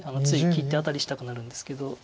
つい切ってアタリしたくなるんですけど。